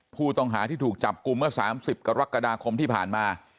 ผู้ต้องหาที่ถูกจับกลุ่มเมื่อ๓๐กรกฎาคมที่ผ่านมา